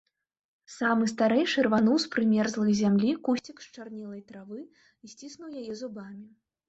Самы старэйшы рвануў з прымерзлай зямлі кусцік счарнелай травы і сціснуў яе зубамі.